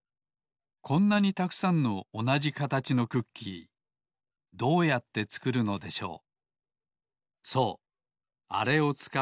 こんなにたくさんのおなじかたちのクッキーどうやってつくるのでしょう。